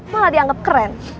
malah dianggap keren